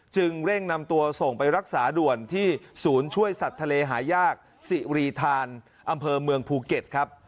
เร่งนำตัวส่งไปรักษาด่วนที่ศูนย์ช่วยสัตว์ทะเลหายากสิรีธานอำเภอเมืองภูเก็ตครับ